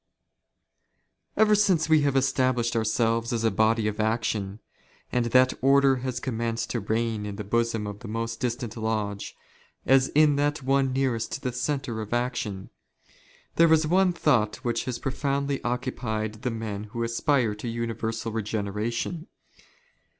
Ever since we have established ourselves as a body of *' action, and that order has commenced to reign in the bosom of " the most distant lodge, as in that one nearest the centre of ^ action, there is one thought which has profoundly occupied "the men who aspire to universal regeneration.